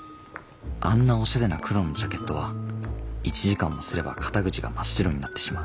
あんなおしゃれな黒のジャケットは１時間もすれば肩口が真っ白になってしまう。